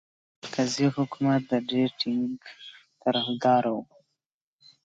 د مرکزي حکومت ډېر ټینګ طرفدار وو.